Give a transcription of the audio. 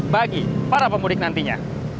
bagi para pemudik nantinya